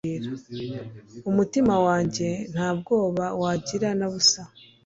umutima wanjye nta bwoba wagira na busa